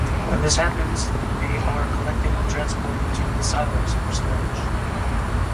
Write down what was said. When this happens, they are collected and transported to the silos for storage.